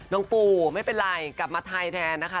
ปูไม่เป็นไรกลับมาไทยแทนนะคะ